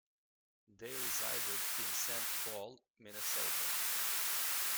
They resided in Saint Paul, Minnesota.